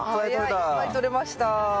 いっぱいとれました。